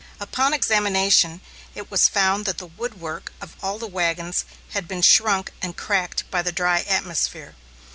Upon examination, it was found that the woodwork of all the wagons had been shrunk and cracked by the dry atmosphere.